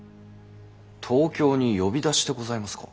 東京に呼び出しでございますか？